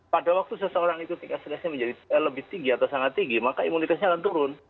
pada waktu seseorang itu tingkat stresnya menjadi lebih tinggi atau sangat tinggi maka imunitasnya akan turun